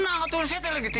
nang tulisnya tadi lagi itu